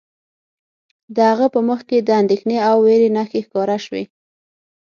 د هغه په مخ کې د اندیښنې او ویرې نښې ښکاره شوې